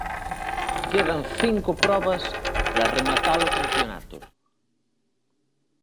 Quedan cinco probas para rematar o campionato.